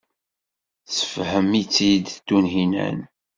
Tessefhem-itt-id Tunhinan.